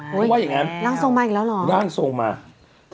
ทรงมาอีกแล้วร่างทรงมาอีกแล้วหรอ